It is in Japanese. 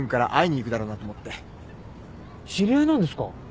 知り合いなんですか？